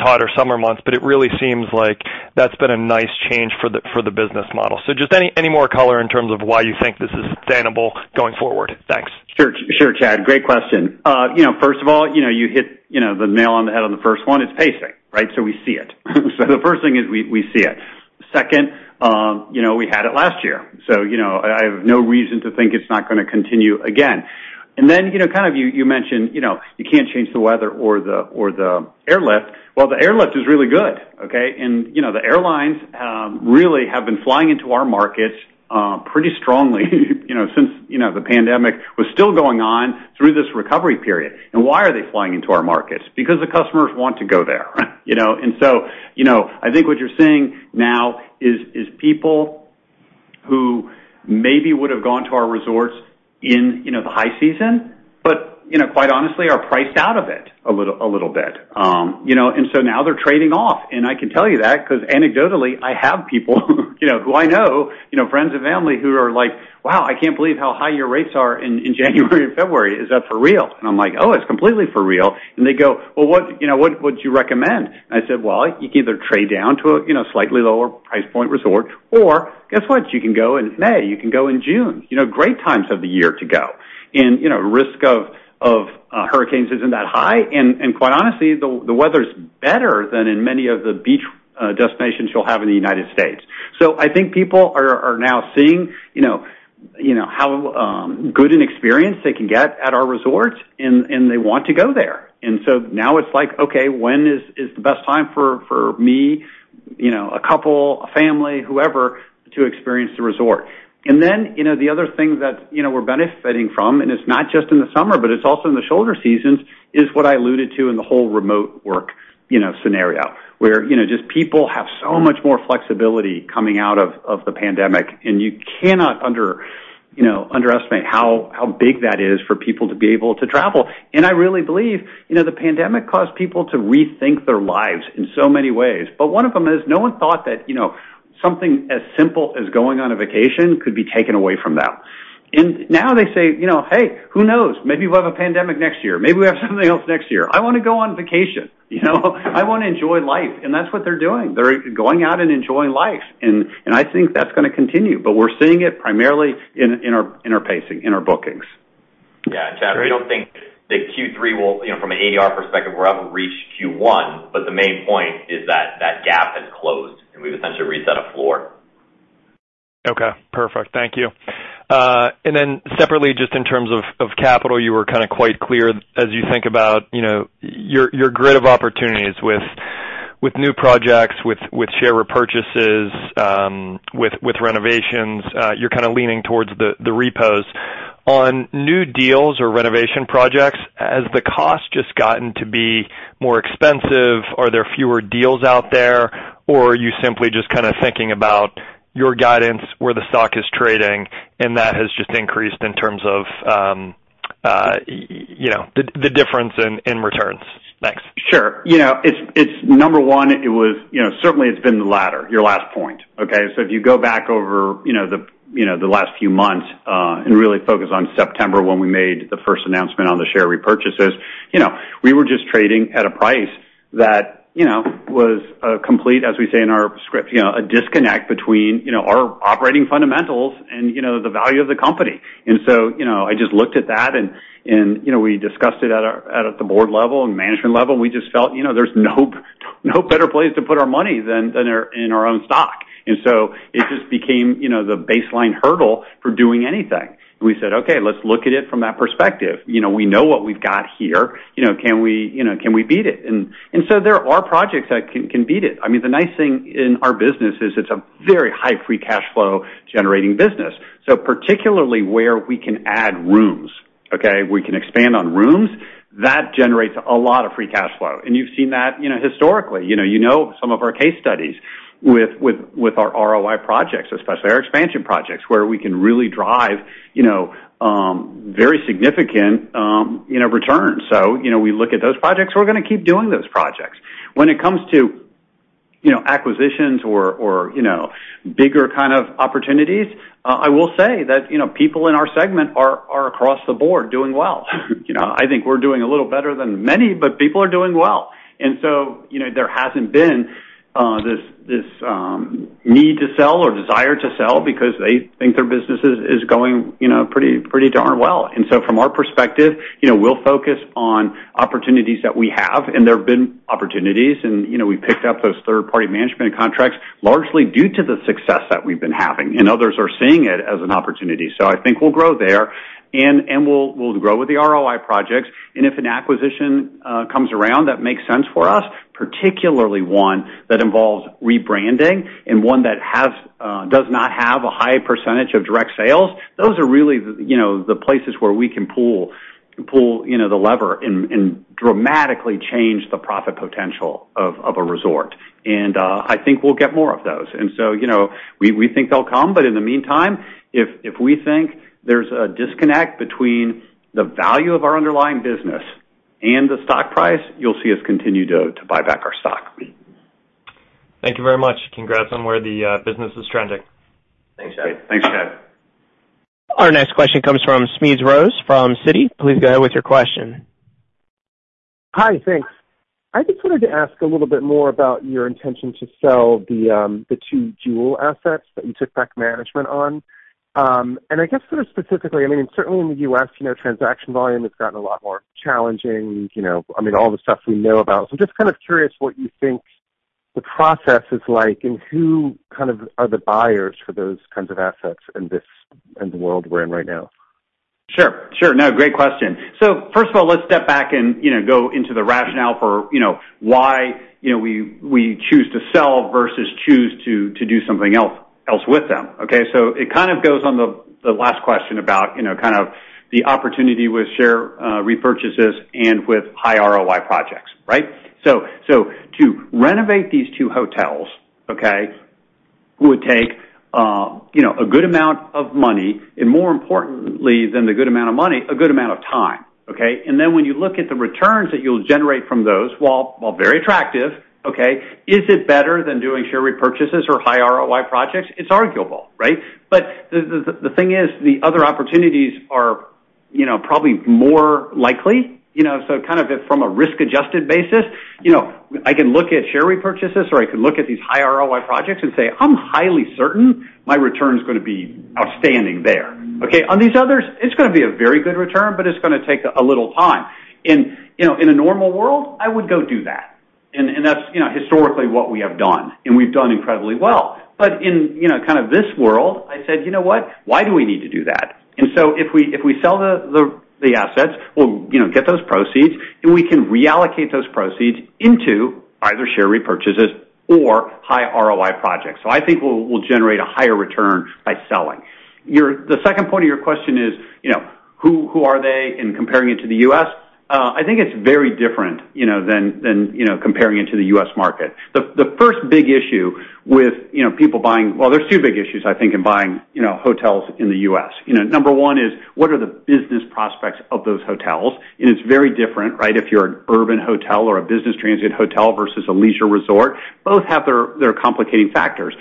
hotter summer months, but it really seems like that's been a nice change for the business model. Just any more color in terms of why you think this is sustainable going forward? Thanks. Sure, Chad. Great question. You know, first of all, you know, you hit, you know, the nail on the head on the first one. It's pacing, right? We see it. The first thing is we see it. Second, you know, we had it last year, so, you know, I have no reason to think it's not gonna continue again. Then, you know, kind of you mentioned, you know, you can't change the weather or the airlift. Well, the airlift is really good, okay? You know, the airlines really have been flying into our markets pretty strongly, you know, since, you know, the pandemic was still going on through this recovery period. Why are they flying into our markets? Because the customers want to go there. You know, I think what you're seeing now is people who maybe would have gone to our resorts in, you know, the high season, but, you know, quite honestly, are priced out of it a little bit. You know, now they're trading off. I can tell you that 'cause anecdotally, I have people, you know, who I know, you know, friends and family who are like, "Wow, I can't believe how high your rates are in January and February. Is that for real?" I'm like, "Oh, it's completely for real." They go, "Well, what, you know, what would you recommend?" I said, "Well, you can either trade down to a, you know, slightly lower price point resort, or guess what? You can go in May, you can go in June." You know, great times of the year to go. You know, risk of hurricanes isn't that high. Quite honestly, the weather's better than in many of the beach destinations you'll have in the United States. I think people are now seeing, you know, you know, how good an experience they can get at our resorts and they want to go there. Now it's like, okay, when is the best time for me, you know, a couple, a family, whoever, to experience the resort. You know, the other thing that, you know, we're benefiting from, and it's not just in the summer, but it's also in the shoulder seasons, is what I alluded to in the whole remote work, you know, scenario, where, you know, just people have so much more flexibility coming out of the pandemic, and you cannot underestimate how big that is for people to be able to travel. I really believe, you know, the pandemic caused people to rethink their lives in so many ways. One of them is no one thought that, you know, something as simple as going on a vacation could be taken away from them. Now they say, you know, "Hey, who knows? Maybe we'll have a pandemic next year. Maybe we have something else next year. I wanna go on vacation. You know, I wanna enjoy life. That's what they're doing. They're going out and enjoying life, and I think that's gonna continue. We're seeing it primarily in our pacing, in our bookings. Chad, you know, from an ADR perspective, we're able to reach Q1, but the main point is that that gap has closed, and we've essentially reset a floor. Okay. Perfect. Thank you. Separately, just in terms of capital, you were kind of quite clear as you think about, you know, your grid of opportunities with new projects, with share repurchases, with renovations. You're kind of leaning towards the repos. On new deals or renovation projects, has the cost just gotten to be more expensive? Are there fewer deals out there? Or are you simply just kind of thinking about your guidance, where the stock is trading, and that has just increased in terms of, you know, the difference in returns? Thanks. Sure. You know, it's certainly been the latter, your last point. If you go back over, you know, the last few months, and really focus on September when we made the first announcement on the share repurchases, you know, we were just trading at a price that, you know, was a complete, as we say in our script, you know, a disconnect between, you know, our operating fundamentals and, you know, the value of the company. You know, I just looked at that and, you know, we discussed it at the board level and management level. We just felt, you know, there's no better place to put our money than in our own stock. It just became, you know, the baseline hurdle for doing anything. We said, "Okay, let's look at it from that perspective. You know, we know what we've got here, you know, can we, you know, can we beat it?" There are projects that can beat it. I mean, the nice thing in our business is it's a very high free cash flow generating business. Particularly where we can add rooms, okay, we can expand on rooms, that generates a lot of free cash flow. You've seen that, you know, historically. You know, some of our case studies with our ROI projects especially, our expansion projects, where we can really drive, you know, very significant, you know, returns. You know, we look at those projects, we're gonna keep doing those projects. When it comes to, you know, acquisitions or, you know, bigger kind of opportunities, I will say that, you know, people in our segment are across the board doing well. You know, I think we're doing a little better than many, but people are doing well. You know, there hasn't been this need to sell or desire to sell because they think their business is going, you know, pretty darn well. From our perspective, you know, we'll focus on opportunities that we have, and there have been opportunities. You know, we picked up those third-party management contracts largely due to the success that we've been having, and others are seeing it as an opportunity. I think we'll grow there and we'll grow with the ROI projects. If an acquisition comes around that makes sense for us, particularly one that involves rebranding and one that does not have a high percentage of direct sales, those are really, you know, the places where we can pull, you know, the lever and dramatically change the profit potential of a resort. I think we'll get more of those. You know, we think they'll come, but in the meantime, if we think there's a disconnect between the value of our underlying business and the stock price, you'll see us continue to buy back our stock. Thank you very much. Congrats on where the business is trending. Thanks, Chad. Thanks, Chad. Our next question comes from Smedes Rose from Citi. Please go ahead with your question. Hi. Thanks. I just wanted to ask a little bit more about your intention to sell the two Jewel assets that you took back management on. I guess sort of specifically, I mean, certainly in the U.S., you know, transaction volume has gotten a lot more challenging, you know, I mean, all the stuff we know about. I'm just kind of curious what you think the process is like and who kind of are the buyers for those kinds of assets in this, in the world we're in right now. Sure. Sure. No, great question. First of all, let's step back and, you know, go into the rationale for, you know, why, you know, we choose to sell versus choose to do something else with them, okay? It kind of goes on the last question about, you know, kind of the opportunity with share repurchases and with high ROI projects, right? To renovate these two hotels, okay, would take, you know, a good amount of money and more importantly than the good amount of money, a good amount of time, okay? When you look at the returns that you'll generate from those, while very attractive, okay, is it better than doing share repurchases or high ROI projects? It's arguable, right? The thing is the other opportunities are, you know, probably more likely, you know. Kind of from a risk-adjusted basis, you know, I can look at share repurchases, or I can look at these high ROI projects and say, "I'm highly certain my return's gonna be outstanding there." Okay? On these others, it's gonna be a very good return, but it's gonna take a little time. You know, in a normal world, I would go do that. That's, you know, historically what we have done, and we've done incredibly well. In, you know, kind of this world, I said, "You know what? Why do we need to do that?" If we, if we sell the, the assets, we'll, you know, get those proceeds, and we can reallocate those proceeds into either share repurchases or high ROI projects. I think we'll generate a higher return by selling. The second point of your question is, you know, who are they in comparing it to the U.S.? I think it's very different, you know, than, you know, comparing it to the U.S. market. The first big issue with, you know, there's 2 big issues, I think, in buying, you know, hotels in the U.S. You know, number 1 is, what are the business prospects of those hotels? It's very different, right? If you're an urban hotel or a business transient hotel versus a leisure resort, both have their complicating factors.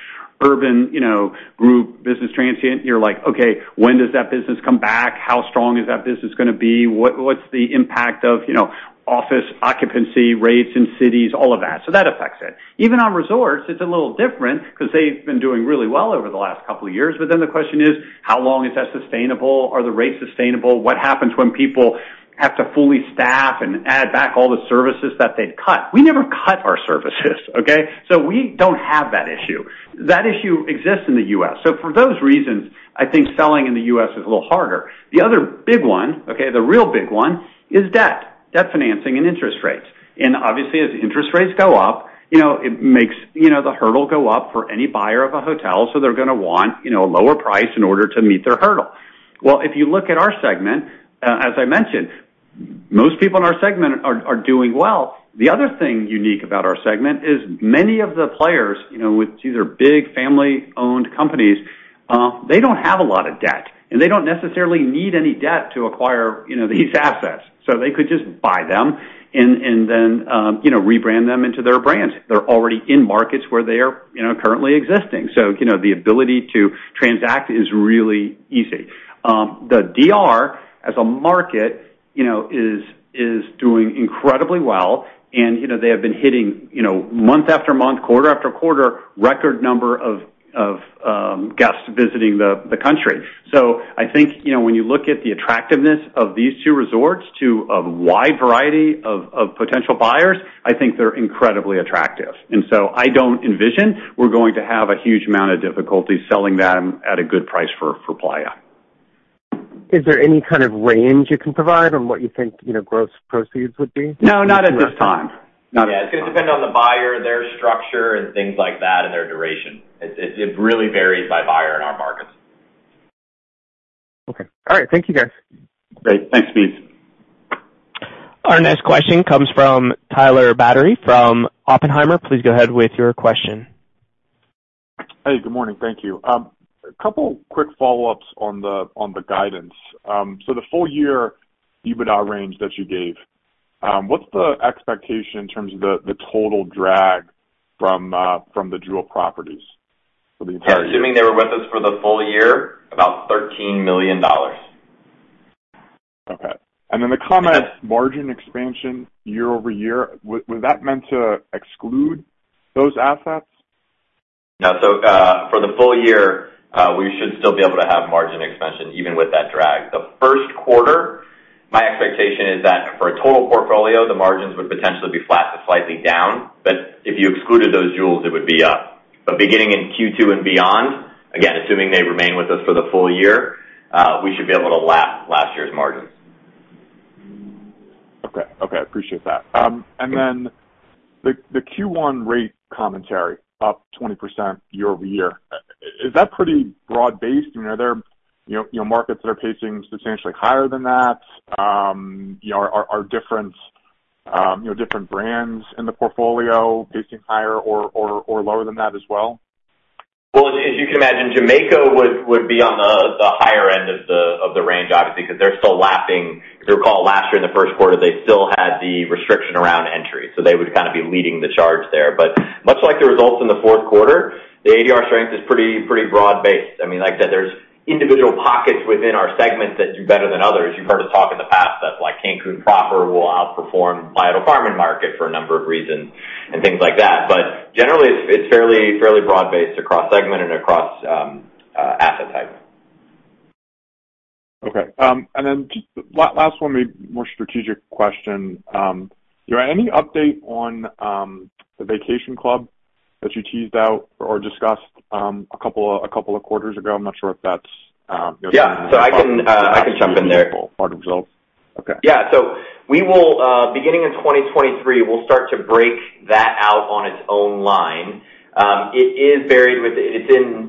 Urban, you know, group business transient, you're like: Okay, when does that business come back? How strong is that business gonna be? What's the impact of, you know, office occupancy rates in cities? All of that. That affects it. Even on resorts, it's a little different 'cause they've been doing really well over the last couple of years. The question is: How long is that sustainable? Are the rates sustainable? What happens when people have to fully staff and add back all the services that they'd cut? We never cut our services, okay? We don't have that issue. That issue exists in the U.S. For those reasons, I think selling in the U.S. is a little harder. The other big one, okay, the real big one is debt. Debt financing and interest rates. Obviously, as interest rates go up, you know, it makes, you know, the hurdle go up for any buyer of a hotel, so they're gonna want, you know, a lower price in order to meet their hurdle. Well, if you look at our segment, as I mentioned, most people in our segment are doing well. The other thing unique about our segment is many of the players, you know, with these are big family-owned companies, they don't have a lot of debt, and they don't necessarily need any debt to acquire, you know, these assets. They could just buy them and then, you know, rebrand them into their brands. They're already in markets where they are, you know, currently existing. You know, the ability to transact is really easy. The DR, as a market, you know, is doing incredibly well, and, you know, they have been hitting, you know, month after month, quarter after quarter, record number of guests visiting the country. I think, you know, when you look at the attractiveness of these two resorts to a wide variety of potential buyers, I think they're incredibly attractive. I don't envision we're going to have a huge amount of difficulty selling them at a good price for Playa. Is there any kind of range you can provide on what you think, you know, gross proceeds would be? No, not at this time. Yeah. It's gonna depend on the buyer, their structure, and things like that, and their duration. It really varies by buyer in our markets. Okay. All right. Thank you guys. Great. Thanks, Smedes. Our next question comes from Tyler Batory from Oppenheimer. Please go ahead with your question. Hey, good morning. Thank you. A couple quick follow-ups on the guidance. The full year EBITDA range that you gave, what's the expectation in terms of the total drag from the Jewel properties for the entire year? Yeah. Assuming they were with us for the full year, about $13 million. Okay. The comment margin expansion year-over-year, was that meant to exclude those assets? No. For the full year, we should still be able to have margin expansion even with that drag. The Q1, my expectation is that for a total portfolio, the margins would potentially be flat to slightly down. If you excluded those Jewels, it would be up. Beginning in Q2 and beyond, again, assuming they remain with us for the full year, we should be able to lap last year's margins. Okay. Okay. I appreciate that. The, the Q1 rate commentary, up 20% year-over-year, is that pretty broad-based? You know, are there, you know, markets that are pacing substantially higher than that? You know, are different, you know, different brands in the portfolio pacing higher or lower than that as well? As you can imagine, Jamaica would be on the higher end of the range, obviously, because they're still lapping. If you recall last year in the Q1, they still had the restriction around entry. They would kind of be leading the charge there. Much like the results in the Q4, the ADR strength is pretty broad-based. I mean, like there's individual pockets within our segment that do better than others. You've heard us talk in the past that, like, Cancun proper will outperform Playa del Carmen market for a number of reasons and things like that. Generally, it's fairly broad-based across segment and across asset type. Okay. Just last one, maybe more strategic question? Do you have any update on the vacation club that you teased out or discussed a couple of quarters ago? I'm not sure if that's, you know. Yeah. I can jump in there. part of the results. Okay. Yeah. We will, beginning in 2023, we'll start to break that out on its own line.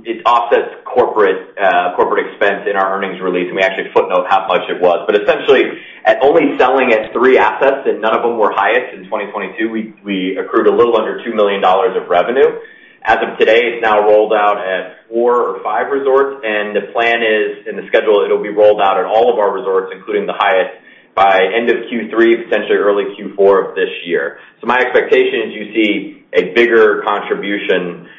It offsets corporate expense in our earnings release, and we actually footnote how much it was. Essentially, at only selling its 3 assets, and none of them were highest in 2022, we accrued a little under $2 million of revenue. As of today, it's now rolled out at 4 or 5 resorts, and the plan is, in the schedule, it'll be rolled out at all of our resorts, including the highest by end of Q3, potentially early Q4 of this year. My expectation is you see a bigger contribution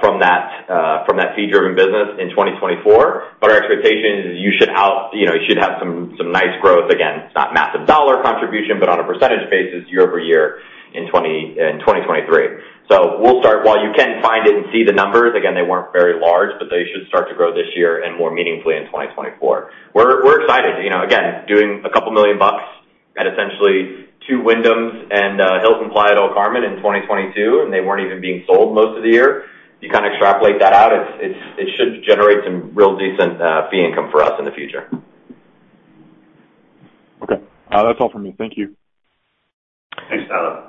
from that from that fee-driven business in 2024. Our expectation is you should, you know, you should have some nice growth. Again, it's not massive $ contribution, but on a % basis, year-over-year in 2023. We'll start. While you can find it and see the numbers, again, they weren't very large, but they should start to grow this year and more meaningfully in 2024. We're excited. You know, again, doing a couple million dollars at essentially 2 Wyndhams and Hilton Playa del Carmen in 2022, and they weren't even being sold most of the year. You kind of extrapolate that out, it should generate some real decent fee income for us in the future. Okay. That's all for me. Thank you. Thanks, Donald.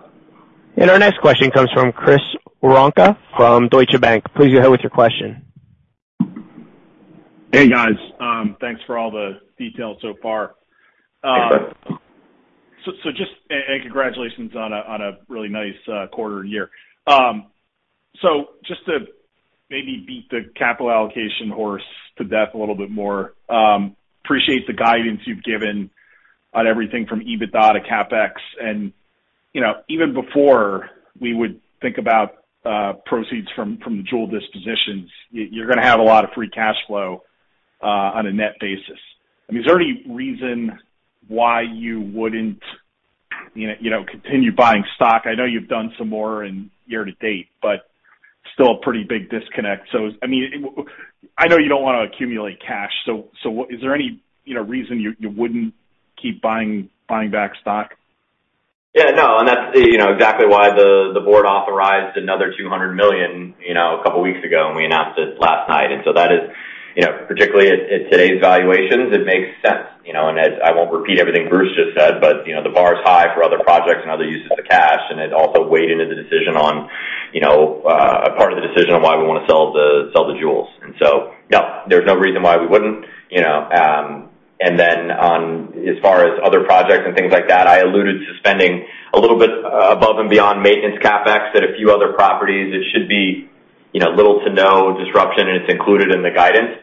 Our next question comes from Chris Woronka from Deutsche Bank. Please go ahead with your question. Hey, guys. Thanks for all the details so far. Just and congratulations on a really nice quarter year. Just to maybe beat the capital allocation horse to death a little bit more, appreciate the guidance you've given on everything from EBITDA to CapEx. You know, even before we would think about proceeds from the Jewel dispositions, you're gonna have a lot of free cash flow on a net basis. I mean, is there any reason why you wouldn't, you know, you know, continue buying stock? I know you've done some more in year-to-date, but still a pretty big disconnect. I mean, I know you don't wanna accumulate cash, so, is there any, you know, reason you wouldn't keep buying back stock? Yeah, no. That's, you know, exactly why the board authorized another $200 million, you know, a couple weeks ago. We announced it last night. That is, you know, particularly at today's valuations, it makes sense, you know. As I won't repeat everything Bruce just said, but, you know, the bar is high for other projects and other uses of cash, and it also weighed into the decision on, you know, a part of the decision on why we wanna sell the Jewels. No, there's no reason why we wouldn't, you know. On as far as other projects and things like that, I alluded to spending a little bit above and beyond maintenance CapEx at a few other properties. It should be, you know, little to no disruption. It's included in the guidance.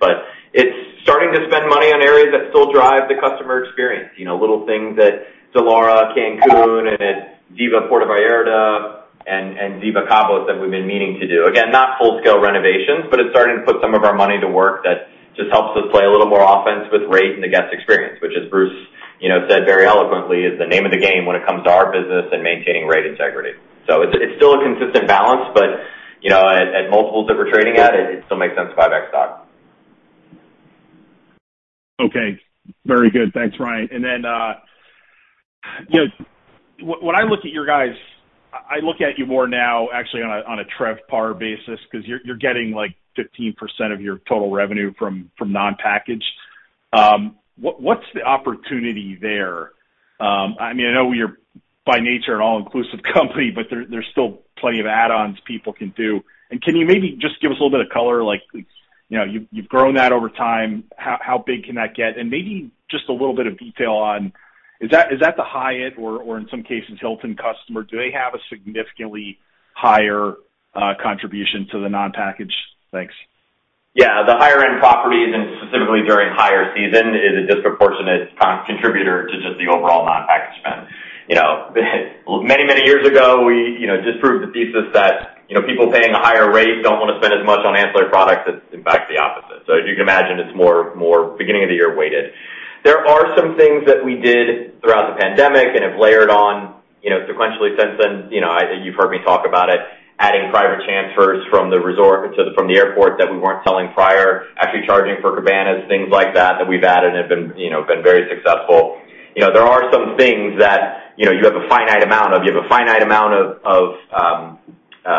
It's starting to spend money on areas that still drive the customer experience. You know, little things at Hyatt Zilara, Cancun, and at Hyatt Ziva Puerto Vallarta and Diva Cabos that we've been meaning to do. Again, not full-scale renovations, but it's starting to put some of our money to work that just helps us Playa a little more offense with rate and the guest experience, which as Bruce Wardinski, you know, said very eloquently, is the name of the game when it comes to our business and maintaining rate integrity. It's still a consistent balance, but, you know, at multiples that we're trading at, it still makes sense to buy back stock. Okay. Very good. Thanks, Ryan. Then, you know, when I look at your guys, I look at you more now actually on a TRevPAR basis, 'cause you're getting, like, 15% of your total revenue from non-packaged. What's the opportunity there? I mean, I know you're by nature an all-inclusive company, but there's still plenty of add-ons people can do. Can you maybe just give us a little bit of color, like, you know, you've grown that over time. How big can that get? Maybe just a little bit of detail on is that the Hyatt or in some cases, Hilton customer? Do they have a significantly higher contribution to the non-packaged? Thanks. The higher end properties, and specifically during higher season, is a disproportionate contributor to just the overall non-packaged spend. You know, many, many years ago, we, you know, disproved the thesis that, you know, people paying a higher rate don't wanna spend as much on ancillary products. It's in fact the opposite. As you can imagine, it's more beginning of the year weighted. There are some things that we did throughout the pandemic and have layered on, you know, sequentially since then. You've heard me talk about it, adding private transfers from the airport that we weren't selling prior, actually charging for cabanas, things like that we've added have been, you know, very successful. You know, there are some things that, you know, you have a finite amount of. You have a finite amount of,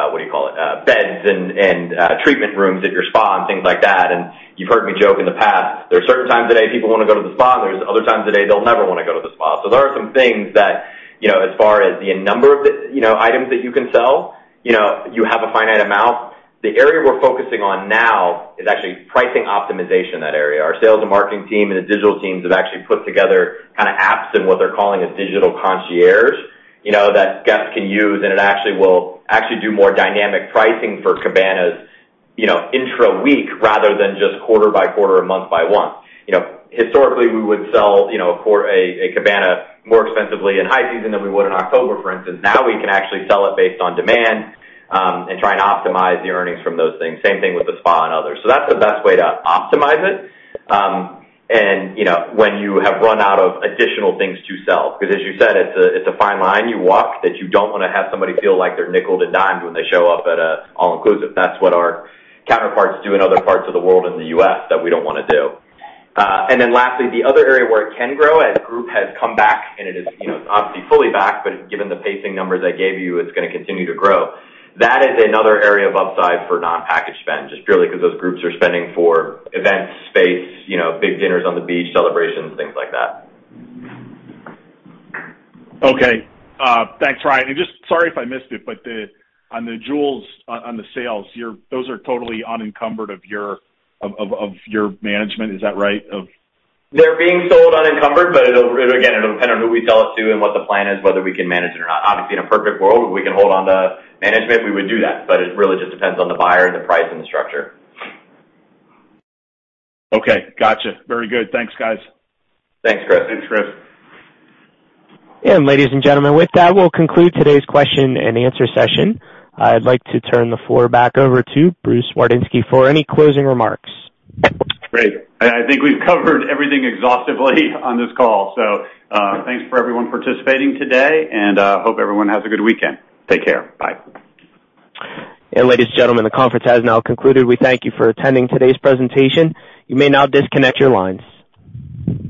what do you call it? beds and treatment rooms at your spa and things like that. You've heard me joke in the past, there are certain times of day people wanna go to the spa, and there's other times of day they'll never wanna go to the spa. There are some things that, you know, as far as the number of, you know, items that you can sell, you know, you have a finite amount. The area we're focusing on now is actually pricing optimization in that area. Our sales and marketing team and the digital teams have actually put together kinda apps and what they're calling is digital concierge, you know, that guests can use, and it actually will actually do more dynamic pricing for cabanas, you know, intra-week rather than just quarter by quarter or month by month. You know, historically, we would sell, you know, a cabana more expensively in high season than we would in October, for instance. Now we can actually sell it based on demand, and try and optimize the earnings from those things. Same thing with the spa and others. That's the best way to optimize it. You know, when you have run out of additional things to sell, 'cause as you said, it's a, it's a fine line you walk that you don't wanna have somebody feel like they're nickeled and dimed when they show up at an all-inclusive. That's what our counterparts do in other parts of the world in the U.S. that we don't wanna do. Lastly, the other area where it can grow as group has come back and it is, you know, obviously fully back, but given the pacing numbers I gave you, it's gonna continue to grow. That is another area of upside for non-packaged spend, just purely 'cause those groups are spending for event space, you know, big dinners on the beach, celebrations, things like that. Okay. Thanks, Ryan. Just sorry if I missed it, but on the jewels on the sales, those are totally unencumbered of your management. Is that right? They're being sold unencumbered, but it'll again, it'll depend on who we sell it to and what the plan is, whether we can manage it or not. Obviously, in a perfect world, we can hold on to management, we would do that, but it really just depends on the buyer, the price and the structure. Okay. Gotcha. Very good. Thanks, guys. Thanks, Chris. Thanks, Chris. Ladies and gentlemen, with that, we'll conclude today's question and answer session. I'd like to turn the floor back over to Bruce Wardinski for any closing remarks. Great. I think we've covered everything exhaustively on this call. Thanks for everyone participating today, and hope everyone has a good weekend. Take care. Bye. Ladies and gentlemen, the conference has now concluded. We thank you for attending today's presentation. You may now disconnect your lines.